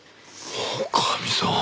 女将さん！